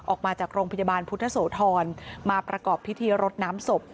ออกมาจากโรงพยาบาลพุทธโสธรมาประกอบพิธีรดน้ำศพ